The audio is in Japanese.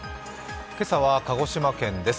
今朝は鹿児島県です。